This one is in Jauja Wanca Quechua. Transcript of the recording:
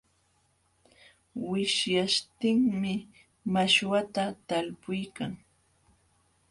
Wishyaśhtinmi mashwata talpuykan.